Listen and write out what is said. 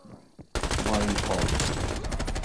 Wineholt.